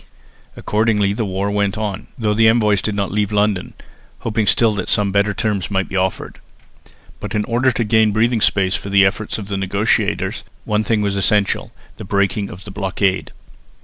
Accordingly the war went on, though the envoys did not leave London, hoping still that some better terms might be offered. But in order to gain breathing space for the efforts of the negotiators, one thing was essential the breaking of the blockade.